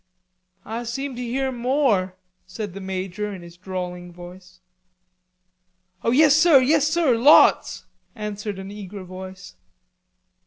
"I seem to hear more," said the major, in his drawling voice. "O yes sir, yes sir, lots," answered an eager voice.